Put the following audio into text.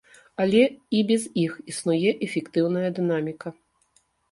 Але і без іх існуе эфектыўная дынаміка.